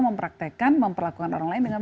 mempraktekan memperlakukan orang lain dengan